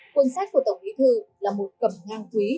cuốn sách của tổng bí thư là một cầm ngang quý